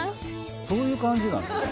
そういう感じなんですね。